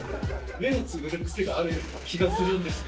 目をつぶる癖がある気がするんですよ。